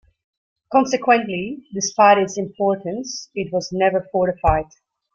Consequently, despite its importance, it was never fortified.